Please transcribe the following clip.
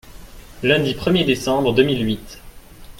Lundi premier décembre deux mille huit.